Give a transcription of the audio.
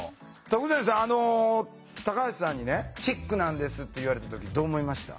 徳善さんタカハシさんにねチックなんですって言われた時どう思いました？